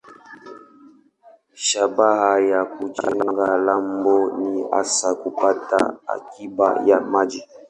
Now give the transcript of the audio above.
Shabaha ya kujenga lambo ni hasa kupata akiba ya maji.